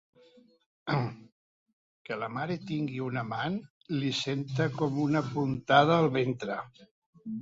Que la mare tingui un amant li senta com una puntada al ventre.